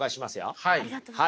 はい。